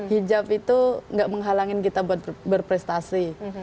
hijab itu nggak menghalangin kita berprestasi